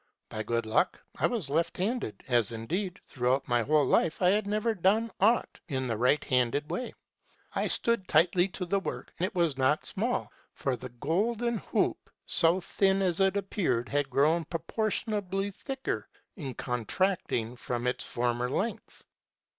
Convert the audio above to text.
By good luck I was left handed ; as, indeed, throughout my whole life I had never done aught in the right handed way. I stood tightly to the work : it was not small ; for the golden hoop, so thin as it appeared, had grown proportionately thicker in contracting from its former length.